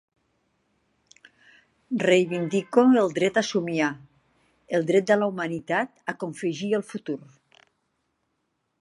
Reivindique el dret a somiar, el dret de la humanitat a confegir el futur.